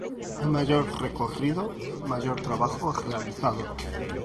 A mayor recorrido, mayor trabajo realizado.